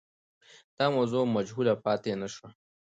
دا موضوع مجهوله پاتې نه سوه.